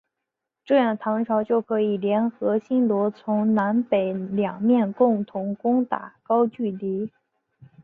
这样唐朝就可以联合新罗从南北两面共同攻打高句丽。